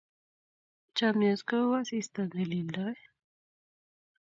Chomnyet kou asista ne lildoi.